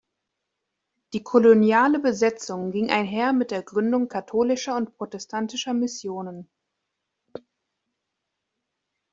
Die koloniale Besetzung ging einher mit der Gründung katholischer und protestantischer Missionen.